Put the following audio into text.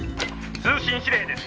「通信指令です。